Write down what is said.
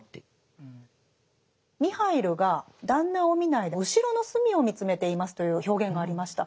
「ミハイルがだんなを見ないで後ろの隅を見つめています」という表現がありました。